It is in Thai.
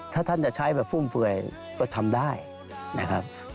ถ้าท่านจะใช้แบบฟุ่มเฟื่อยก็ทำได้นะครับ